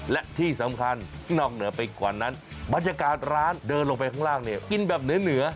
และที่สำคัญนอกเหนือไปกว่านั้นบรรยากาศร้านเดินลงไปข้างล่างเนี่ยกินแบบเหนือ